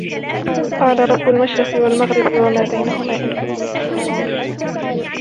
قال رب المشرق والمغرب وما بينهما إن كنتم تعقلون